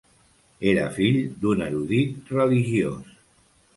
Era fill d'un erudit religiós.